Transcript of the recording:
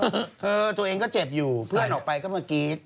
เออตัวเองก็เจ็บอยู่เพื่อนออกไปก็มากรี๊ด